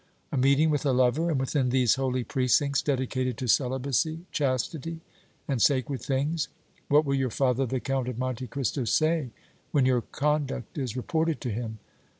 A meeting with a lover, and within these holy precincts dedicated to celibacy, chastity and sacred things! What will your father, the Count of Monte Cristo, say when your conduct is reported to him?